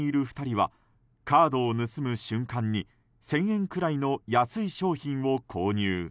反対側の棚にいる２人はカードを盗む瞬間に１０００円くらいの安い商品を購入。